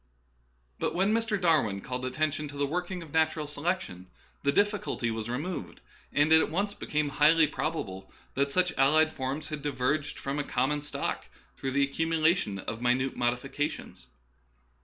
But when Mr. Darwin called attention to the working of natural selection, the difficulty was removed, and it at once became highly probable that such allied forms had di verged from a common stock through the accumu lation of minute modifications.